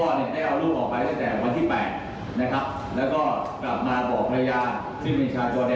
รอยยืนรูปโรคบริยาฐานและส่วนสอบ